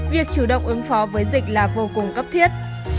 việc chủ động ứng phó với dịch là vô cùng cấp thiết